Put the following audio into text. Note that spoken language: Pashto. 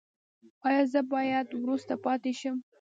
ایا زه باید وروسته پاتې شم؟